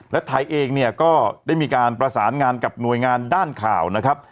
และไทยเองเนี่ยก็ได้มีการประสานงานกับหน่วยงานด้านข่าวนะครับ